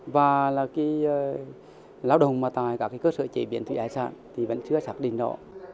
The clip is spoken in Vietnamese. và là cái lao động tại các cơ sở chế biến thủy ái sản thì vẫn chưa xác định rõ